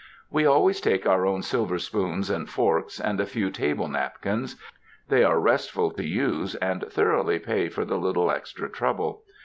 We always take our own silver spoons and forks, and a few table napkins; they are restful to use, and thoroughly pay for the little extra trouble.